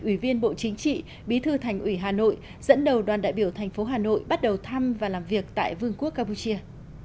ủy viên bộ chính trị bí thư thành ủy hà nội dẫn đầu đoàn đại biểu thành phố hà nội bắt đầu thăm và làm việc tại vương quốc campuchia